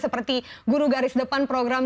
seperti guru garis depan program